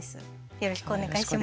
よろしくお願いします。